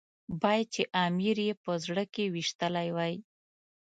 باید چې امیر یې په زړه کې ويشتلی وای.